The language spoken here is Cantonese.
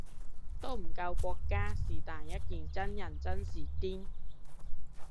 都唔夠國家是但一件真人真事癲